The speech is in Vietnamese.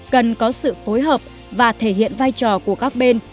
cần có sự phối hợp và thể hiện vai trò của các bên